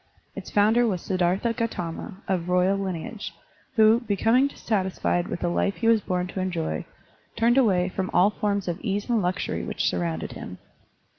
Its founder was Siddhartha Gautama, of royal lineage, who, becoming dis satisfied with the life he was bom to enjoy, turned away from all forms of ease and luxury which surrounded him.